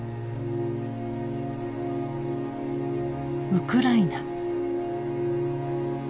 ウクライナ。